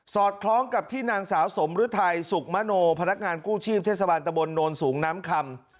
อดคล้องกับที่นางสาวสมฤทัยสุขมโนพนักงานกู้ชีพเทศบาลตะบนโนนสูงน้ำคำ